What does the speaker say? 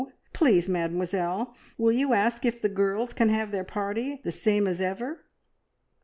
Please, Mademoiselle, will you ask if the girls can have their party the same as ever?"